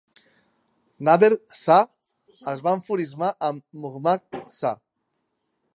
Nader Shah es va enfurismar amb Muhammad Shah.